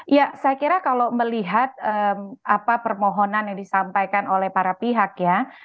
ya saya kira kalau melihat apa permohonan yang disampaikan oleh para pihak ya